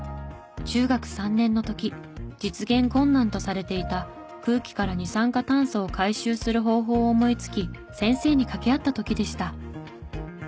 中学３年の時実現困難とされていた空気から二酸化炭素を回収する方法を思いつき先生に掛け合った時でした。